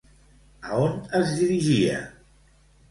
A on es dirigia?